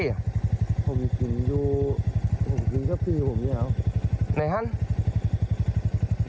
ผมกินอยู่ผมกินกับพี่อยู่ผมเนี้ยไหนครับ